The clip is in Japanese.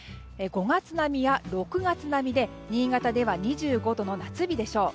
５月並みや６月並みで新潟では２５度の夏日でしょう。